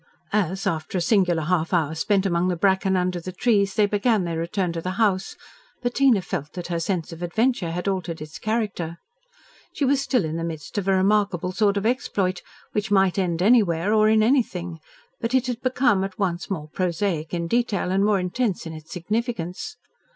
As, after a singular half hour spent among the bracken under the trees, they began their return to the house, Bettina felt that her sense of adventure had altered its character. She was still in the midst of a remarkable sort of exploit, which might end anywhere or in anything, but it had become at once more prosaic in detail and more intense in its significance.